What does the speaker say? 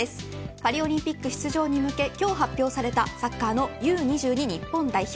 パリオリンピック出場に向け今日発表されたサッカーのＵ‐２２日本代表。